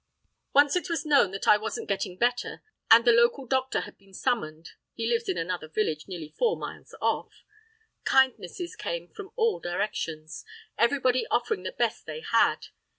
Once it was known that I wasn't getting better and the local doctor had been summoned (he lives in another village nearly four miles off), kindnesses came from all directions, everybody offering the best they had.